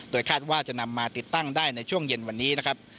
คาดว่าจะนำมาติดตั้งได้ในช่วงเย็นวันนี้นะครับ